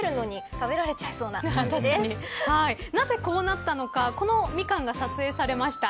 食べるのになぜこうなったのかこのミカンが撮影されました